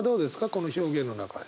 この表現の中で。